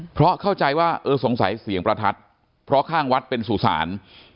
เพราะเข้าใจว่าเออสงสัยเสียงประทัดเพราะข้างวัดเป็นสุสาน